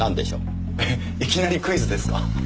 えっいきなりクイズですか？